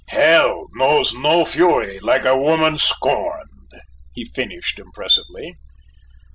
'Hell knows no fury like a woman scorned,'" he finished, impressively.